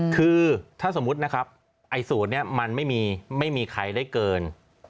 คือถ้าสมมุตินะครับไอ้สูตรนี้มันไม่มีใครได้เกิน